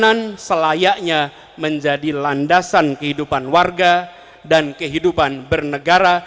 yang selayaknya menjadi landasan kehidupan warga dan kehidupan bernegara